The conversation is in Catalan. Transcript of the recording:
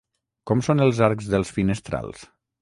Com són els arcs dels finestrals?